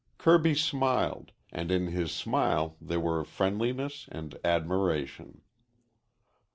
Kirby smiled, and in his smile there were friendliness and admiration.